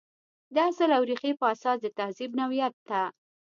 د اصل او ریښې په اساس د تهذیب نوعیت ته.